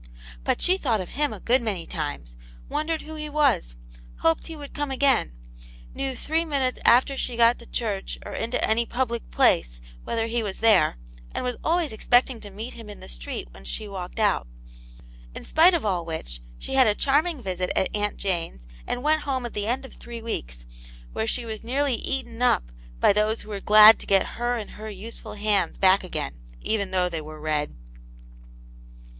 But she thought of him a good many times, wondered who he was, hoped he would come again, knew three minutes after she got to church or into any public place whether he was there, and w^as always expecting to meet him in the street when she walked out. In spite of all which, she had a charm ing visit at Aunt Jane's, and went home at the end of three weeks, where she was nearly eaten up by those who were glad to get her and her useful hands back again, even though they were red.